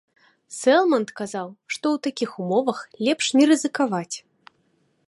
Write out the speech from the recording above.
Сэлманд казаў, што ў такіх умовах лепш не рызыкаваць.